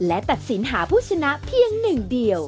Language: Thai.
และตัดสินหาผู้ชนะเพียงหนึ่งเดียว